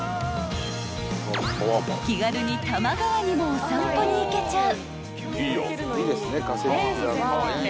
［気軽に多摩川にもお散歩に行けちゃう］